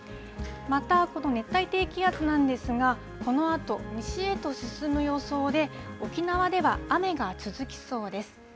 また、この熱帯低気圧なんですが、このあと西へと進む予想で、沖縄では雨が続きそうです。